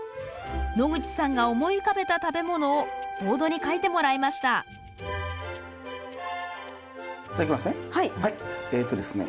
野口さんが思い浮かべた食べ物をボードに書いてもらいましたではいきますね。